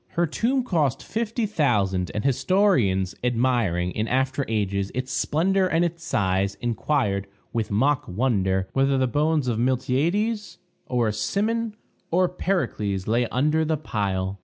Her tomb cost $50,000; and historians, admiring, in after ages, its splendor and its size, inquired, with mock wonder, whether the bones of a Miltiades, or a Cimon, or a Pericles lay under the pile!